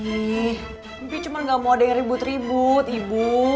ih pi cuman gak mau ada yang ribut ribut ibu